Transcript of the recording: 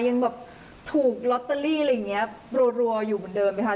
ยังแบบถูกลอตเตอรี่อะไรอย่างเงี้ยรัวอยู่เหมือนเดิมไหมคะ